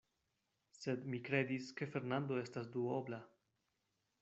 Sed mi kredis, ke Fernando estas duobla.